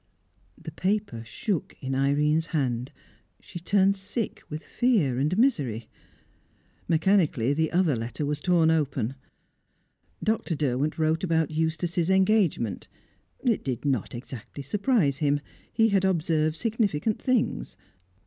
The paper shook in Irene's hand. She turned sick with fear and misery. Mechanically the other letter was torn open. Dr. Derwent wrote about Eustace's engagement. It did not exactly surprise him; he had observed significant things.